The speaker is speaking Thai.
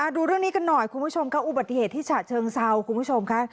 ดูเรื่องนี้กันหน่อยคุณผู้ชมค่ะอุบัติเหตุที่ฉะเชิงเซาคุณผู้ชมค่ะ